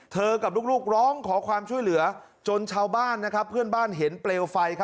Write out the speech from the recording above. กับลูกร้องขอความช่วยเหลือจนชาวบ้านเพื่อนบ้านเห็นเปลวไฟ